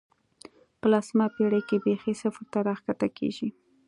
په لسمه پېړۍ کې بېخي صفر ته راښکته کېږي.